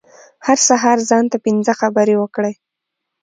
هر سهار ځان ته پنځه خبرې وکړئ .